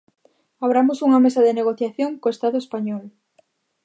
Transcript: Abramos unha mesa de negociación co Estado español.